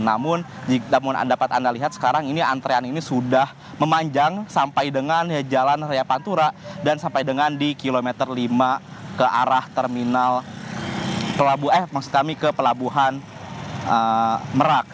namun jika anda dapat anda lihat sekarang ini antrean ini sudah memanjang sampai dengan jalan raya pantura dan sampai dengan di kilometer lima ke arah terminal merak